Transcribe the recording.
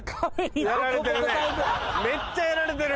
めっちゃやられてる。